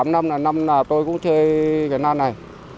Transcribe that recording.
tám năm là năm nào tôi cũng chơi